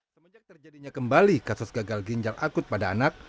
semenjak terjadinya kembali kasus gagal ginjal akut pada anak